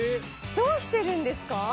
どうしてるんですか？